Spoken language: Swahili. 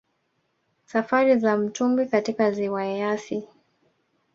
Safari za mtubwi katika Ziwa Eyasi